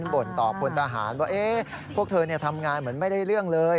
บ่นต่อพลทหารว่าพวกเธอทำงานเหมือนไม่ได้เรื่องเลย